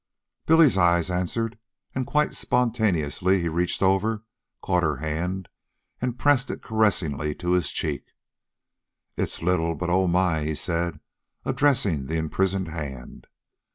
Billy's eyes answered, and quite spontaneously he reached over, caught her hand, and pressed it caressingly to his cheek. "It's little, but oh my," he said, addressing the imprisoned hand.